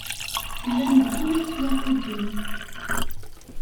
Llan bɣan ad ttwaḥudden.